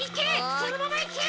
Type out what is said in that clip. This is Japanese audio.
そのままいけ！